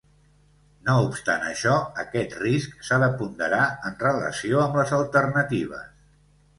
No obstant això, aquest risc s'ha de ponderar en relació amb les alternatives.